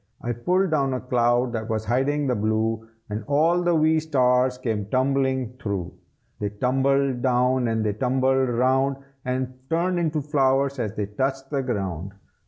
I pulled down a cloud that was hiding the blue, And all the wee stars came tumbling through. They tumbled down and they tumbled round, And turned into flowers as they touched the ground.